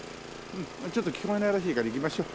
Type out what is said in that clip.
ちょっと聞こえないらしいから行きましょう。